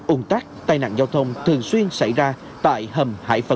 ung tắc tai nặng giao thông thường xuyên xảy ra tại hầm hải vân một